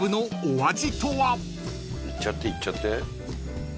いっちゃっていっちゃって。